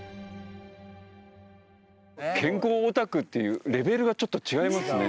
健康オタクっていうレベルがちょっと違いますね。